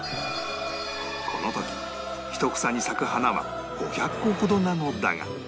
この時一房に咲く花は５００個ほどなのだが